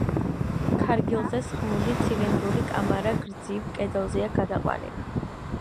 ქარგილზე სხმული, ცილინდრული კამარა გრძივ კედელზეა გადაყვანილი.